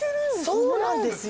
そうなんですよ！